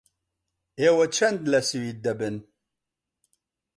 ئێوە چەند لە سوید دەبن؟